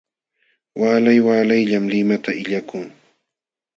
Waalay waalayllam limata illakun.